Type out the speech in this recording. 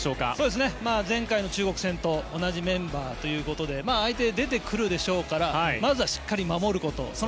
現在の中国戦と同じメンバーということで相手出てくるでしょうからまずはしっかり守ること